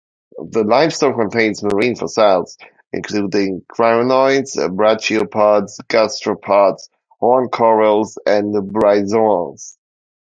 The limestone contains marine fossils including crinoids, brachiopods, gastropods, horn corals, and bryozoans.